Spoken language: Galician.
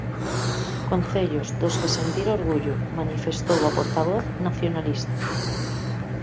Concellos dos que sentir orgullo, manifestou a portavoz nacionalista.